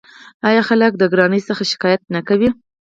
آیا خلک د ګرانۍ څخه شکایت نه کوي؟